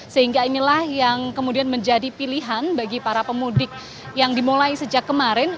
sehingga inilah yang kemudian menjadi pilihan bagi para pemudik yang dimulai sejak kemarin